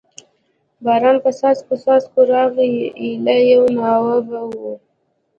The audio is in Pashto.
باران په څاڅکو څاڅکو راغی، ایله یوه ناوه به و.